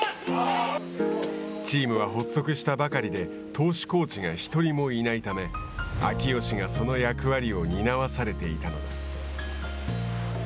チームは発足したばかりで投手コーチが１人もいないため秋吉がその役割を担わされていたのだ。